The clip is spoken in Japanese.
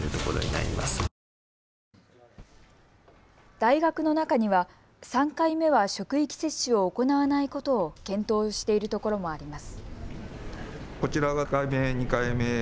大学の中には３回目は職域接種を行わないことを検討しているところもあります。